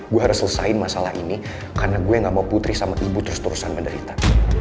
gue harus selesaiin masalah ini karena gue gak mau putri sama ibu terus terusan menderita